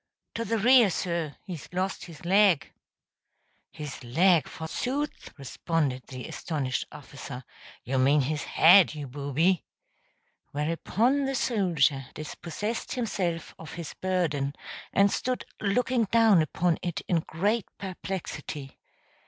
"To the rear, sir he's lost his leg!" "His leg, forsooth?" responded the astonished officer; "you mean his head, you booby." Whereupon the soldier dispossessed himself of his burden, and stood looking down upon it in great perplexity.